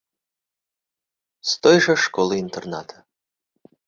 З той жа школы-інтэрната.